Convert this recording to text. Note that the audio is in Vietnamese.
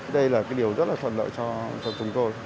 đây là cái điều rất là thuận lợi cho chúng tôi